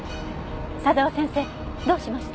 佐沢先生どうしました？